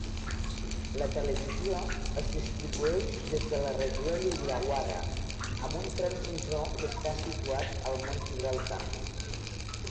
La televisió es distribueix des de la regió d'Illawarra amb un transmissor que està situat al mont Gibraltar.